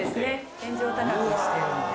天井高くしてるんで。